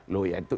loh ya itu